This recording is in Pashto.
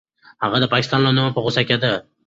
هغه د پاکستان له نومه په غوسه کېده.